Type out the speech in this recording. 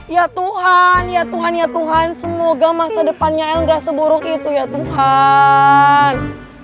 ya tuhan ya tuhannya tuhan semoga masa depannya yang gak seburuk itu ya tuhan